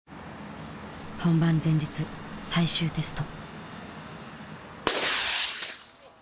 本番前日最終テスト。